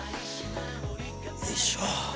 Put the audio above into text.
よいしょ。